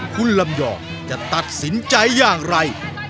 คุณลำยองจะตัดสินใจอย่างไร